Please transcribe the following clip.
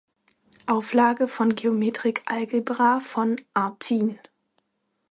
Auflage von "Geometric Algebra" von Artin.